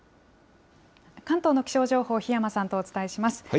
関東の気象情報、檜山さんとお伝えします。